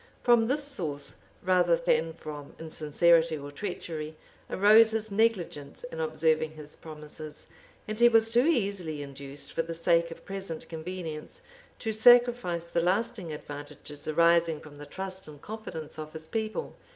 From this source, rather than from insincerity or treachery, arose his negligence in observing his promises; and he was too easily induced, for the sake of present convenience, to sacrifice the lasting advantages arising from the trust and confidence of his people.